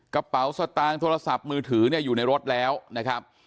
กระเป๋าสตางค์โทรศัพท์มือถือเนี่ยอยู่ในรถแล้วนะครับ